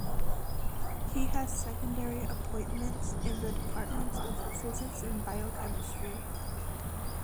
He has secondary appointments in the departments of Physics and Biochemistry.